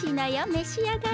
めしあがれ。